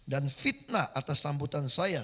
dan fitnah atas sambutan saya